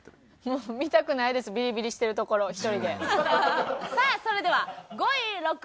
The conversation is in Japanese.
もう見たくないですビリビリしてるところ１人で。